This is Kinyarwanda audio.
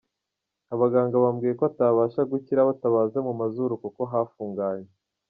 Abaganga bambwiye ko atabasha gukira batabaze mu mazuru kuko hafunganye.